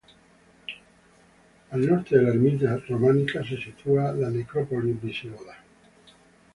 Al Norte de la ermita románica se sitúa la necrópolis visigoda.